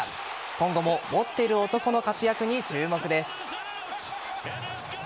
今後も持ってる男の活躍に注目です。